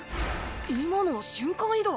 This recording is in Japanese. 今のは瞬間移動。